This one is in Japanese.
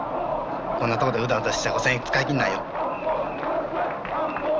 こんなとこでうだうだしてちゃ５，０００円使い切んないよ。